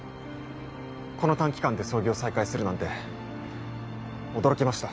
この短期間で操業再開するなんて驚きました